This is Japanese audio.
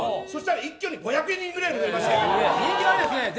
そうしたら、一挙に５００人くらいに増えまして。